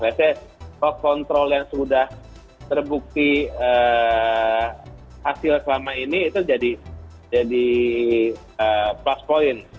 biasanya hot control yang sudah terbukti hasil selama ini itu jadi plus point